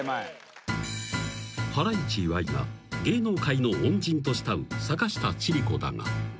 ［ハライチ岩井が芸能界の恩人と慕う坂下千里子だが］